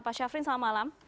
pak syafrin selamat malam